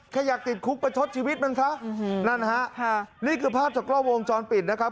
แค่อยากติดคุกประชดชีวิตมันซะนั่นฮะค่ะนี่คือภาพจากกล้อวงจรปิดนะครับ